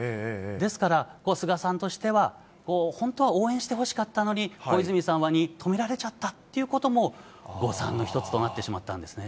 ですから、もう菅さんとしては、本当は応援してほしかったのに、小泉さんに止められちゃったということも、誤算の一つとなってしまったんですね。